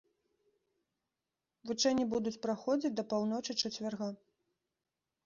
Вучэнні будуць праходзіць да паўночы чацвярга.